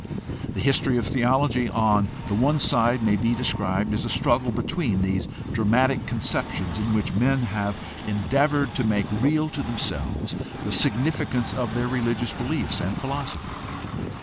The history of theology on the one side may be described as a struggle between these dramatic conceptions in which men have endeavored to make real to themselves the significance of their religious beliefs and philosophy.